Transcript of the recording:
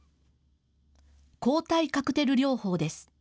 抗体カクテル療法です。